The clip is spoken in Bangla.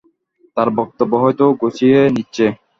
তার বক্তব্য হয়তো গুছিয়ে নিচ্ছে।